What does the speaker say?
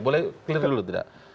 boleh clear dulu tidak